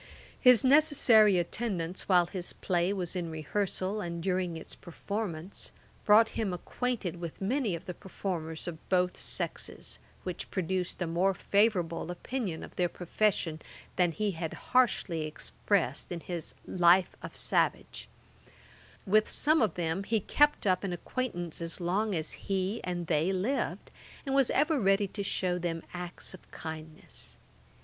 His necessary attendance while his play was in rehearsal, and during its performance, brought him acquainted with many of the performers of both sexes, which produced a more favourable opinion of their profession than he had harshly expressed in his Life of Savage. With some of them he kept up an acquaintance as long as he and they lived, and was ever ready to shew them acts of kindness.